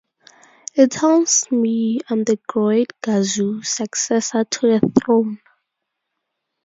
It tells me I'm the great Gazoo, successor to the throne.